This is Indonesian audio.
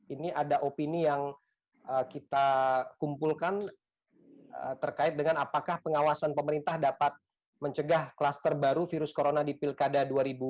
ini ada opini yang kita kumpulkan terkait dengan apakah pengawasan pemerintah dapat mencegah kluster baru virus corona di pilkada dua ribu dua puluh